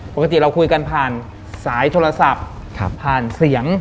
ปกติเราคุยกันผ่านสายโทรศัพท์ผ่านเสียง